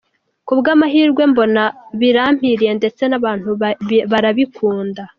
Ku bw’amahirwe mbona birampiriye ndetse n’abantu barabikunda”.